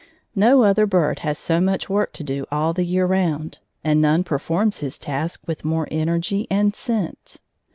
No other bird has so much work to do all the year round, and none performs his task with more energy and sense.